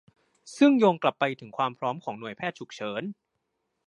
ซึ่งโยงกลับไปถึงความพร้อมของหน่วยแพทย์ฉุกเฉิน